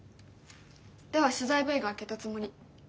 では取材Ｖが明けたつもり。